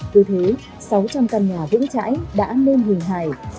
từ thứ sáu trăm linh căn nhà vững chãi đã lên hình hài